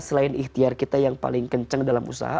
selain ikhtiar kita yang paling kencang dalam usaha